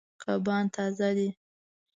کبان تازه دي.